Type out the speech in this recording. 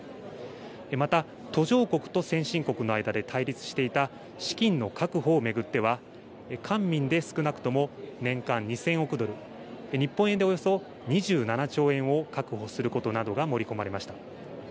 また、途上国と先進国の間で対立していた、資金の確保を巡っては、官民で少なくとも年間２０００億ドル、日本円でおよそ２７兆円を確保することなどが盛り込まれました。